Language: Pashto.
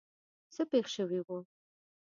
څه پېښ شوي وو.